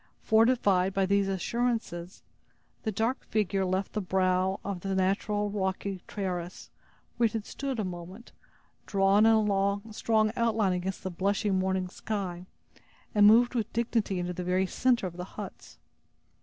Fortified by these assurances, the dark figure left the brow of the natural rocky terrace, where it had stood a moment, drawn in a strong outline against the blushing morning sky, and moved with dignity into the very center of the huts.